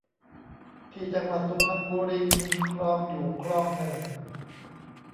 ที่จังหวัดสุพรรณบุรีมีคลองอยู่คลองหนึ่ง